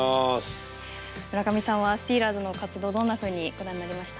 村上さんはスティーラーズの活動どんなふうにご覧になりました？